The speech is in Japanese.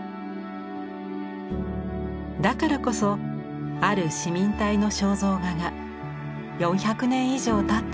だからこそある市民隊の肖像画が４００年以上たった